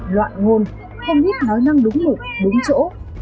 loạn ngôn không ít nói năng đúng mục đúng chỗ